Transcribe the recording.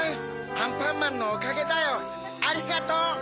アンパンマンのおかげだよありがとう！